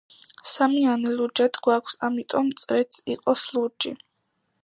სამიანი ლურჯად გვაქვს, ამიტომ წრეც იყოს ლურჯი.